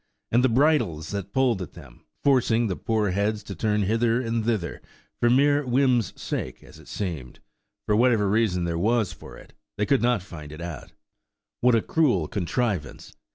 And the bridles that pulled at them, forcing the poor heads to turn hither and thither, for mere whim's sake, as it seemed (for whatever reason there was for it, they could not find it out)–what a cruel contrivance!